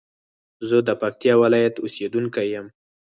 زه د پکتيا ولايت اوسېدونکى يم.